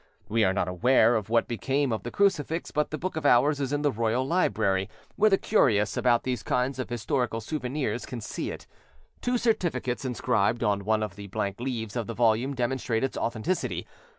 We are not aware of what became of the crucifix, but the book of Hours is in the royal library, where those curious about these kinds of historical souvenirs can see it: two certificates inscribed on one of the blank leaves of the volume demonstrate its authenticity.